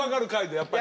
やっぱり。